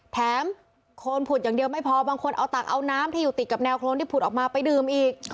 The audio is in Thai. โคนผุดอย่างเดียวไม่พอบางคนเอาตักเอาน้ำที่อยู่ติดกับแนวโครนที่ผุดออกมาไปดื่มอีก